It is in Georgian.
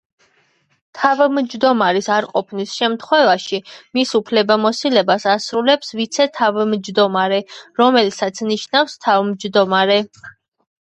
თავმჯდომარის არყოფნის შემთხვევაში, მის უფლებამოსილებას ასრულებს ვიცე–თავმჯდომარე, რომელსაც ნიშნავს თავმჯდომარე.